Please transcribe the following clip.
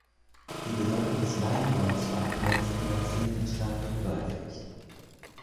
Die Bedeutung des Weinbaus war in den letzten Jahrzehnten stark rückläufig.